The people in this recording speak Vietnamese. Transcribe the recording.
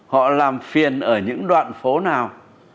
họ làm phiền ở những đoạn phố nào